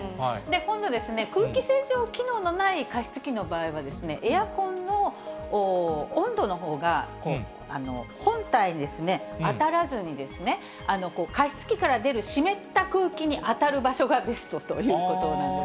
今度、空気清浄機能のない加湿器の場合は、エアコンの温度のほうが本体に当たらずに加湿器から出る湿った空気に当たる場所がベストということなんです。